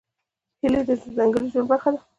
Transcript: هیلۍ د ځنګلي ژوند برخه ده